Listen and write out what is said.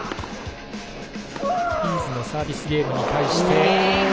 キーズのサービスゲームに対して。